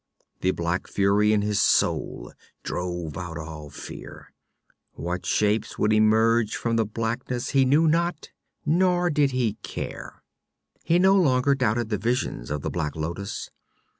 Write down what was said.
The black fury in his soul drove out all fear. What shapes would emerge from the blackness he knew not, nor did he care. He no longer doubted the visions of the black lotus.